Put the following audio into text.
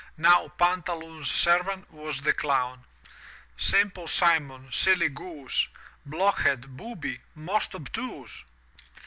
Now Pantaloon's servant was the Clown. W^li Simple SimoHy silly goose, *^'"^ Blockheady booby , most obtuse!